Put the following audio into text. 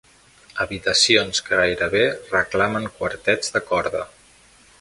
Habitacions que gairebé reclamen quartets de corda.